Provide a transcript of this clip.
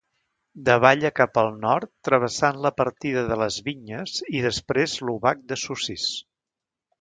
Davalla cap al nord travessant la partida de les Vinyes i després l'Obac de Sossís.